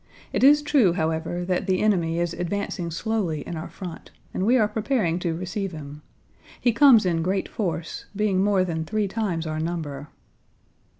It is true, however, that the enemy is advancing slowly in our front, and we are preparing to receive him. He comes in great force, being more than three times our number."